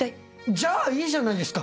じゃあいいじゃないですか。